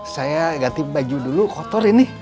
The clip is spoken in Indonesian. saya ganti baju dulu kotor ini